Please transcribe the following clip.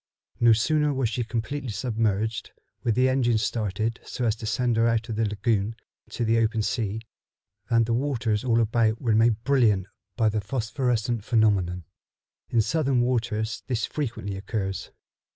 No sooner was she completely submerged, with the engine started so as to send her out of the lagoon and to the open sea, than the waters all about were made brilliant by the phosphorescent phenomenon. In southern waters this frequently occurs.